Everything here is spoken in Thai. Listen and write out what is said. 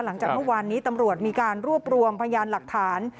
หลังจากเมื่อวานนี้ตำรวจมีการรวบรวมพยานหลักฐาน